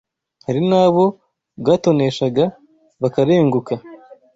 Hari n’abo bwatoneshaga bakarenguka